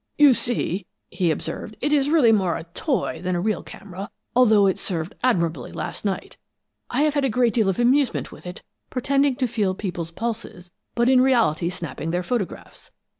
"You see," he observed, "it is really more a toy than a real camera, although it served admirably last night. I have had a great deal of amusement with it, pretending to feel people's pulses, but in reality snapping their photographs.